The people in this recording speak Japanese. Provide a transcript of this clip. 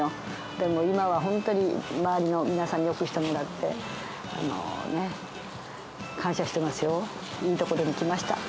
でも今は本当に、周りの皆さんによくしてもらって、感謝してますよ。